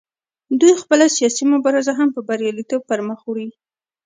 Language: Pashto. دوی خپله سیاسي مبارزه هم په بریالیتوب پر مخ وړي